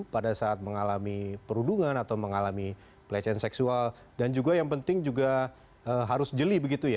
pada saat mengalami perundungan atau mengalami pelecehan seksual dan juga yang penting harus jeli